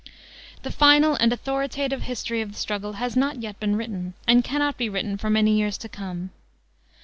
The final and authoritative history of the struggle has not yet been written, and cannot be written for many years to come.